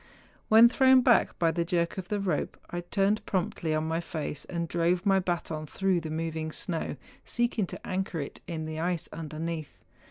When thrown back by the jerk of the rope, I turned promptly on my face, and drove my baton through the moving snow, seeking to anchor it in the ice underneath.